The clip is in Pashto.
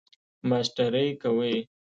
ماسټری کوئ؟